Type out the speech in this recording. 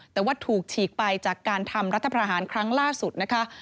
แต่ว่าถูกฉีกไปจากการทำรัฐประหารครั้งล่าสุดนะคะ